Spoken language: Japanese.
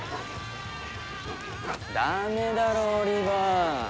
ダメだろオリバー。